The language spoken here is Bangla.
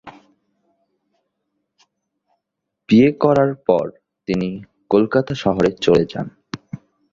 বিয়ে করার পর তিনি কলকাতা শহরে চলে যান।